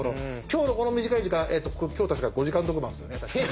今日のこの短い時間今日確か５時間特番ですよね？